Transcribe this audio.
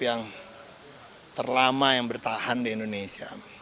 yang terlama yang bertahan di indonesia